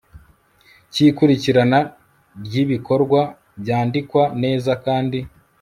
cy ikurikirana ry ibikorwa byandikwa neza kandi